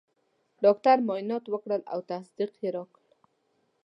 ډاکټر معاینات وکړل او تصدیق یې راکړ.